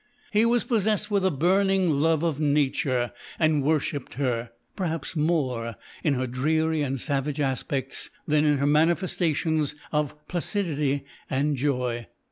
He was possessed with a burning love of Nature; and worshipped her, perhaps, more in her dreary and savage aspects, than in her manifestations of placidity and joy.